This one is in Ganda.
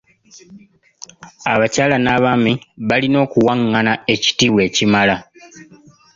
Abakyala n'abaami balina okuwangana ekitiibwa ekimala.